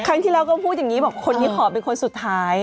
ครั้งที่แล้วก็พูดอย่างนี้บอกคนนี้ขอเป็นคนสุดท้าย